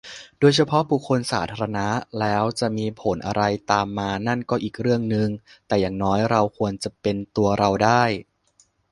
โดยเฉพาะบุคคลสาธารณะ แล้วจะมีผลอะไรตามมานั่นก็อีกเรื่องนึง แต่อย่างน้อยเราควรจะเป็นตัวเราได้